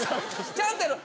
ちゃんとやろう。